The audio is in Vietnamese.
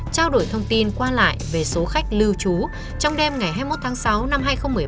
trao đổi thông tin qua lại về số khách lưu trú trong đêm ngày hai mươi một tháng sáu năm hai nghìn một mươi tám